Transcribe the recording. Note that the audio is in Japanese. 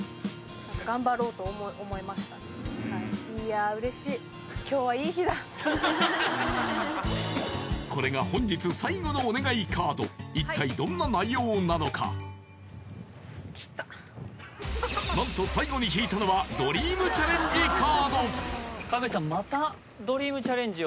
よしこれが本日最後のお願いカード一体どんな内容なのか何と最後に引いたのはドリームチャレンジ